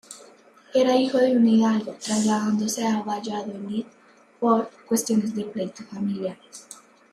Era hijo de un hidalgo, trasladándose a Valladolid por cuestiones de pleitos familiares.